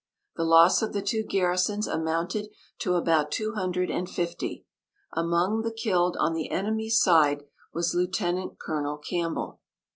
The loss of the two garrisons amounted to about two hundred and fifty. Among the killed on the enemy's side was Lieut. Col. Campbell.